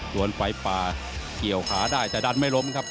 โดนไฟป่าเกี่ยวขาได้แต่ดันไม่ล้มครับ